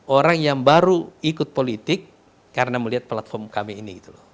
orang yang baru ikut politik karena melihat platform kami ini